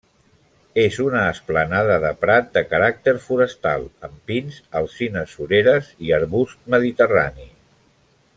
És una esplanada de prat de caràcter forestal, amb pins, alzines sureres i arbust mediterrani.